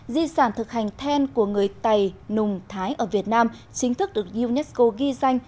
di sản thực hành then của người tày nùng thái ở việt nam chính thức được unesco ghi danh